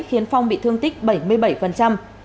khiến phong bị thương tích bảy mươi bảy